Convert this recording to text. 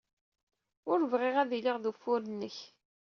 Ur bɣiɣ ad iliɣ d ufur-nnek.